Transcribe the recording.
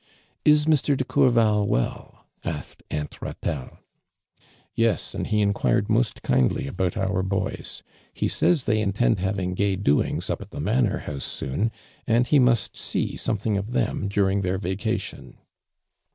"lsMr.de Courval well?"' asked Aunt l{a telle. " Yes, an<l he en(|uired mo>t kindly about oiu' boys. He says they intend having gay doings up at tiie Manor house soon, and he nuist see something of them dur ing their vacation.''